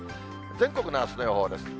全国のあすの予報です。